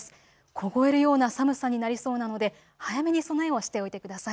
凍えるような寒さになりそうなので早めに備えをしておいてください。